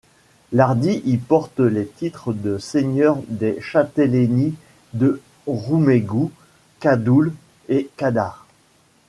Lardit y porte les titres de seigneur des châtellenies de Roumégous, Cadoule et Cadars.